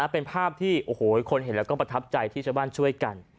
เป็นภาพที่โอ้โหคนเห็นแล้วก็ประทับใจที่ชาวบ้านช่วยกัน